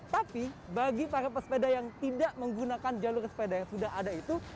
tapi bagi para pesepeda yang tidak menggunakan jalur sepeda yang sudah ada itu